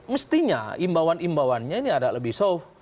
mestinya imbauan imbauannya ini agak lebih soft